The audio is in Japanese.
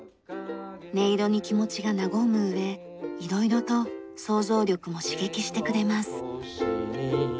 音色に気持ちが和む上色々と想像力も刺激してくれます。